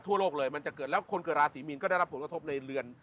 ทั่วโลกเลยมันจะเกิดแล้วคนเกิดราศีมีนก็ได้รับผลกระทบในเรือน